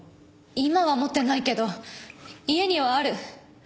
今は持ってないけど家にはある。